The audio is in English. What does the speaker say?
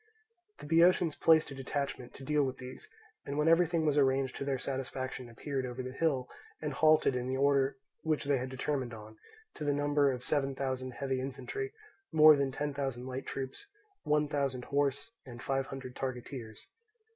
The Boeotians placed a detachment to deal with these, and when everything was arranged to their satisfaction appeared over the hill, and halted in the order which they had determined on, to the number of seven thousand heavy infantry, more than ten thousand light troops, one thousand horse, and five hundred targeteers.